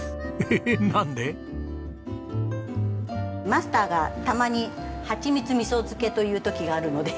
マスターがたまにはちみつみそ漬けと言う時があるので。